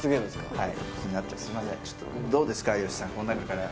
はい